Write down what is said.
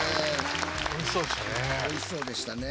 おいしそうでしたね。